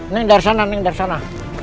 neng dari sana neng dari sana